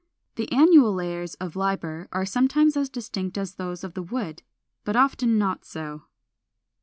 The annual layers of liber are sometimes as distinct as those of the wood, but often not so.